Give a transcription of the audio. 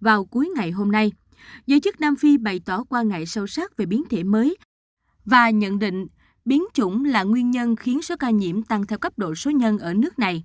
vào cuối ngày hôm nay giới chức nam phi bày tỏ quan ngại sâu sắc về biến thể mới và nhận định biến chủng là nguyên nhân khiến số ca nhiễm tăng theo cấp độ số nhân ở nước này